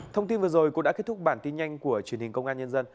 thông tin vừa rồi cũng đã kết thúc bản tin nhanh của truyền hình công an nhân dân